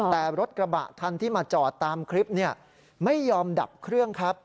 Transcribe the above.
แต่รถกระบะคันที่มาจอดตามคลิปไม่ยอมดับเครื่องครับ